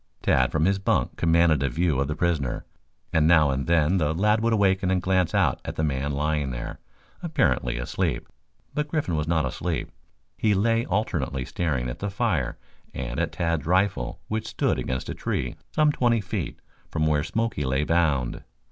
Tad from his bunk commanded a view of the prisoner, and now and then the lad would awaken and glance out at the man lying there, apparently asleep. But Griffin was not asleep. He lay alternately staring at the fire and at Tad's rifle which stood against a tree some twenty feet from where Smoky lay bound.